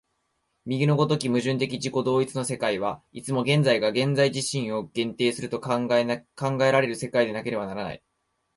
右の如き矛盾的自己同一の世界は、いつも現在が現在自身を限定すると考えられる世界でなければならない。